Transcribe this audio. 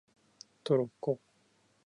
トロッコ